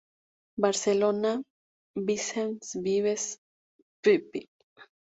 Barcelona: Vicens Vives, pp.